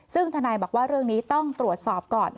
ซึ่งทนายบอกว่าเรื่องนี้ต้องตรวจสอบก่อน